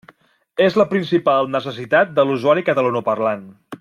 És la principal necessitat de l'usuari catalanoparlant.